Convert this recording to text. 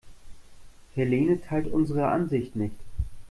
Helene teilt unsere Ansicht nicht.